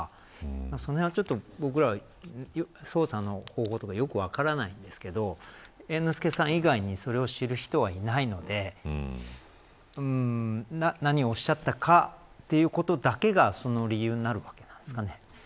その辺は、僕らは捜査の方法とかよく分からないんですけど猿之助さん以外にそれを知る人はいないので何をおっしゃったかということだけがその理由になるわけなんですかね。